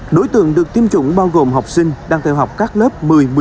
đối tượng được tiêm chủng bao gồm học sinh đang theo học các lớp một mươi một mươi một một mươi hai